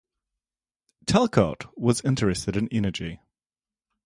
Talcott was interested in energy.